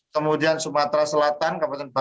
kemudian sumatera selatan